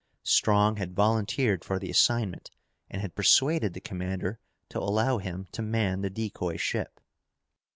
Strong had volunteered for the assignment and had persuaded the commander to allow him to man the decoy ship.